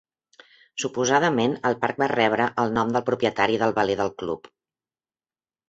Suposadament el parc va rebre el nom del propietari del veler del club.